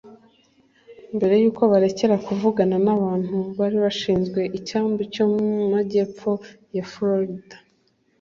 Mbere y'uko barekera kuvugana n'abantu bari bashinzwe icyambu cyo mu Majyepfo ya Florida